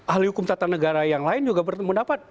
ahli hukum tata negara yang lain juga bertemu dapat